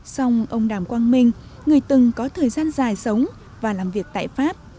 xong ông đàm quang minh người từng có thời gian dài sống và làm việc tại pháp